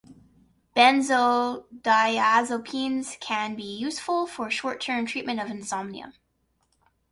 Benzodiazepines can be useful for short-term treatment of insomnia.